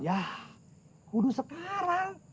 yaa udah sekarang